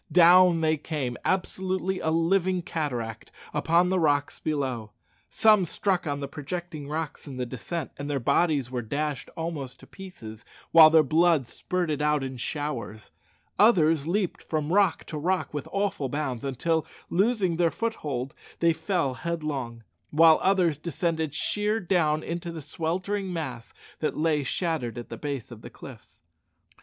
Down they came, absolutely a living cataract, upon the rocks below. Some struck on the projecting rocks in the descent, and their bodies were dashed almost in pieces, while their blood spurted out in showers. Others leaped from rock to rock with awful bounds, until, losing their foothold, they fell headlong; while others descended sheer down into the sweltering mass that lay shattered at the base of the cliffs.